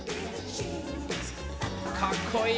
かっこいい！